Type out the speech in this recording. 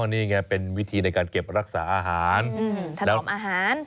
อ๋อนี่ไงเป็นวิธีในการเก็บรักษาอาหารอืมถนอมอาหาร